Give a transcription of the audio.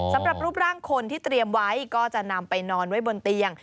สำหรับรูปร่างคนที่เตรียมไว้ก็จะนำไปนอนไว้บนเตียง